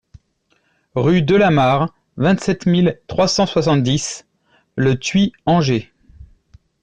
Rue Delamarre, vingt-sept mille trois cent soixante-dix Le Thuit-Anger